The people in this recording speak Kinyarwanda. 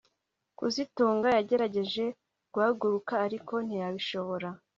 kazitunga yagerageje guhaguruka ariko ntiyabishobora